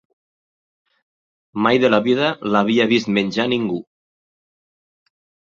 ...mai de la vida l'havia vist menjar ningú.